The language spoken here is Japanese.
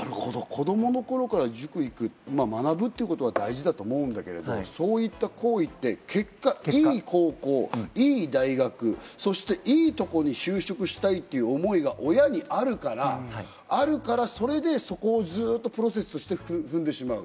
子供の頃から塾へ行く、学ぶっていうことは大事だけど、そういった行為って結果、いい高校、いい大学、そしていいところに就職したいという思いが親にあるから、あるからそれで、そこをずっとプロセスを踏んでしまう。